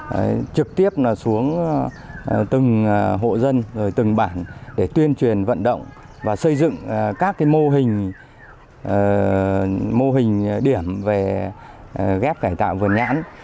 hồng trực tiếp xuống từng hộ dân từng bản để tuyên truyền vận động và xây dựng các mô hình điểm về ghép cải tạo vườn nhãn